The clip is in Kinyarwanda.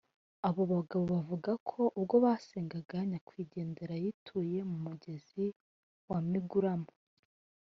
Abo bagabo bavuga ko ubwo basengaga nyakwigendera yituye mu mugezi wa Miguramo